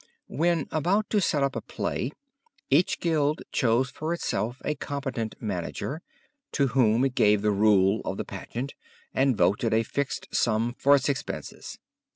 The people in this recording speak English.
When about to set up a play, each guild chose for itself a competent manager, to whom it gave the rule of the pageant, and voted a fixed sum for its expenses.